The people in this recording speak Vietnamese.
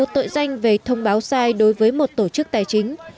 một tội danh về thông báo sai đối với một tổ chức tài chính